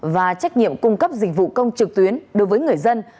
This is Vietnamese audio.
và trách nhiệm cung cấp dịch vụ công trực tuyến đối với người dân